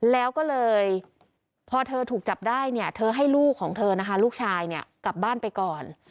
แล้วก็เลยพอเธอถูกจับได้เนี่ยเธอให้ลูกของเธอนะคะลูกชายเนี่ยกลับบ้านไปก่อน